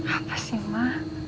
apa sih ma